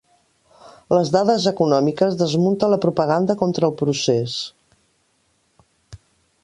Les dades econòmiques desmunten la propaganda contra el procés.